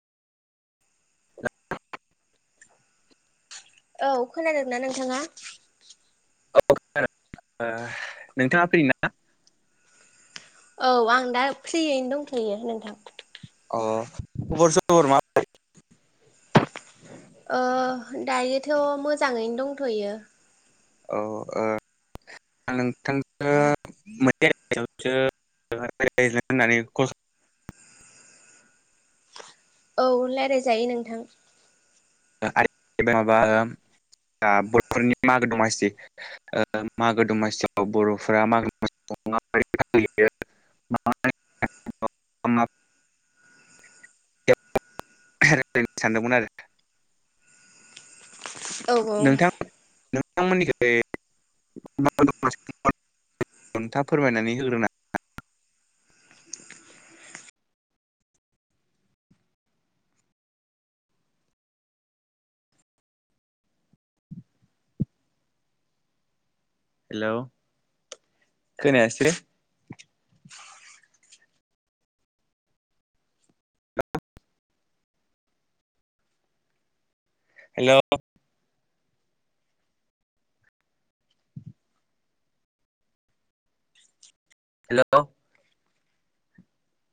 औ खोनादोंना नोंथाङा? औ [unintelligible] नोंथाङा फ्रि ना? औ आं दा फ्रियैनो दंथ'यो नोंथां अ खबर सबर मा [unintelligible] ओ दायोथ' मोजाङैनो दंथ'यो। औ ओ आं नोंथांजो [unintelligible] औ लायरायजायो नोंथां [unintelligible] माबा ओ दा बर'फोरनि मागो दमासि ओ मागो दमासियाव बर'फोरा मागो दमा [unintelligible] [unintelligible] सानदोंमोन आरो औ औ नोंथां नोंथांमोननिखै [unintelligible] [unintelligible] नोंथाङा फोरमायनानै होग्रोना [unintelligible] हेलौ खोनायासैलै हेल' हेल'